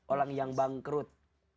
orang yang bangkrut